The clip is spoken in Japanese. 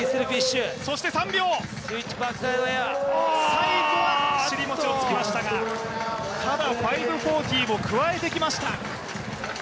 最後は尻餅をつきましたがただ、５４０も加えてきました。